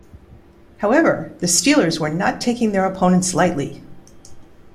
However, the Steelers were not taking their opponents lightly.